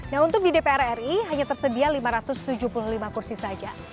nah untuk di dpr ri hanya tersedia lima ratus tujuh puluh lima kursi saja